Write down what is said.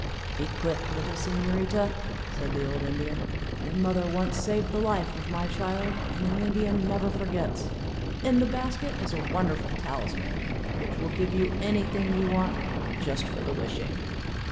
"Be quick, little señorita," said the old Indian. "Your mother once saved the life of my child, and an Indian never forgets. In the basket is a wonderful talisman, which will give you any thing you want, just for the wishing."